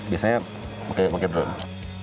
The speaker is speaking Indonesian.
biasanya pakai drone